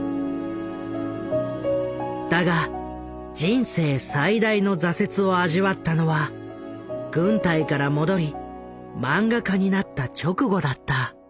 だが人生最大の挫折を味わったのは軍隊から戻りマンガ家になった直後だった。